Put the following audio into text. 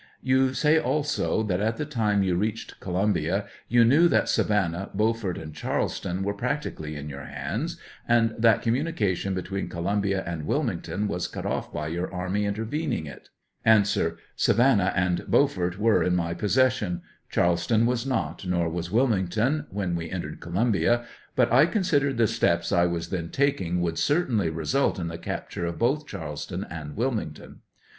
You say also that at the time you reached Co lumbia you knew that Savannah, Beaufort and Charles ton were practically in your hands^ and that communi cation between Columbia and Wilmington was cut ofif by your army intervening it ? A. Savannah and Beaufort were in my possession ; Charleston was not, nor was Wilmington, when we entered Columbia, but I considered the steps I was then taking would certainly result in the capture of both Charleston and Wilmington.